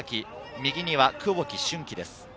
右には久保木舜稀です。